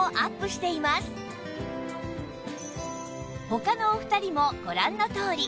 他のお二人もご覧のとおり